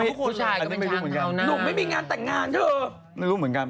ผู้ชายก็ไม่รู้เหมือนกัน